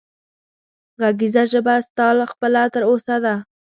غږېږه ژبه ستا خپله تر اوسه ده